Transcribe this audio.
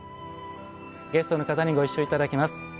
ゲストの方にご一緒いただきます。